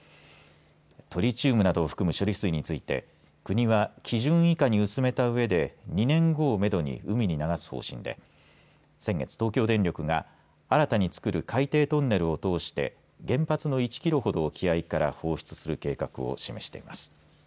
トリチウムなどを含む処理水について国は、基準以下に薄めたうえで２年後をめどに海に流す方針で先月、東京電力が新たに造る海底トンネルを通して原発の１キロほど沖合から放出する計画を示しています。